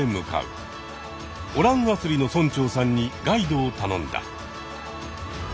オラン・アスリの村長さんにガイドをたのんだ。